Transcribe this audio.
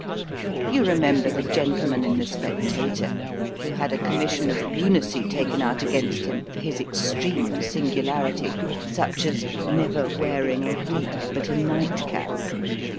You remember the gentleman in The Spectator, who had a commission of lunacy taken out against him for his extreme singularity, such as never wearing a wig, but a night cap.